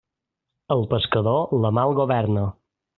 El pescador, la mar el governa.